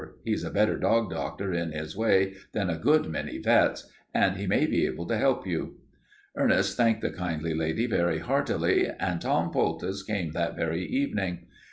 He's a better dog doctor in his way than a good many vets., and he may be able to help you." Ernest thanked the kind lady very heartily, and Tom Poultice came that very evening. Mr.